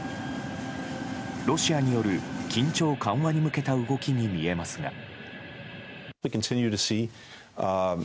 ロシアによる緊張緩和に向けた動きに見えますが。